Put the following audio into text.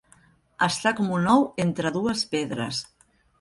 Estar com un ou entre dues pedres.